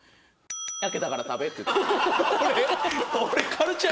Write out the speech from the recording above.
焼けたから食べって言ったんですよ。